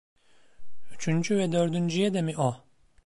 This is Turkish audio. Üçüncü ve dördüncüye de mi o?